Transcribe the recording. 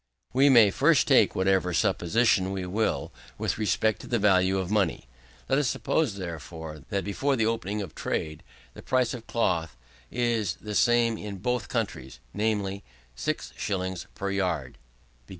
We may at first make whatever supposition we will with respect to the value of money. Let us suppose, therefore, that before the opening of the trade, the price of cloth is the same in both countries, namely, six shillings per yard .